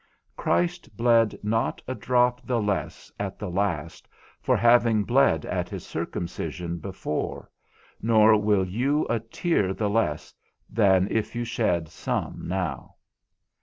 Christ bled not a drop the less at the last for having bled at his circumcision before, nor will you a tear the less then if you shed some now.